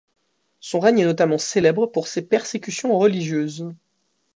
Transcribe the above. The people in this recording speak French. Son règne est notamment célèbre pour ses persécutions religieuses.